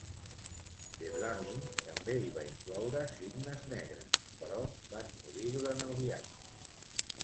De Vlamingh també hi va incloure cignes negres, però van morir durant el viatge.